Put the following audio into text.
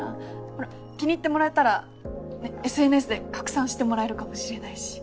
ほら気に入ってもらえたらＳＮＳで拡散してもらえるかもしれないし。